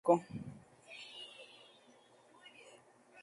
Las letras del grupo, tran temáticas de comedia, parodia y humor blanco.